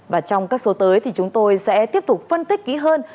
và trong các số tới thì chúng tôi sẽ tiếp tục phân tích kỹ hơn